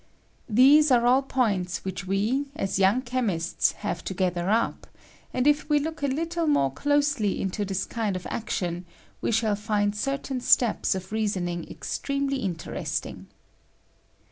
These are all points which we, as young chemistSj have to gather up ; and if we look a little more closely into this kind of action, we shall find certain steps of reasoning extremely interesting.